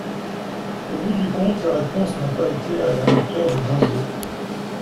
Au bout du compte, la réponse n’a pas été à la hauteur des enjeux.